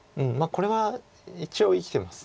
これは一応生きてます。